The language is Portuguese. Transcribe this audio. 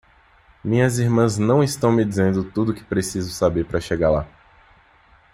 Minhas irmãs não estão me dizendo tudo o que preciso saber para chegar lá.